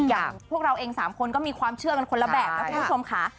อย่างพวกเราเอง๓คนก็มีความเชื่อกันคนละแบบนะคุณผู้ชมค่ะ